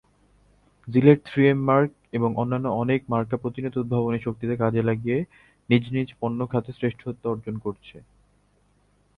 JELET, three M, Merck, এবং অন্যান্য অনেক মার্কা প্রতিনিয়ত উদ্ভাবনী শক্তিকে কাজে লাগিয়ে নিজ নিজ পণ্য খাতে শ্রেষ্ঠত্ব অর্জন করেছে।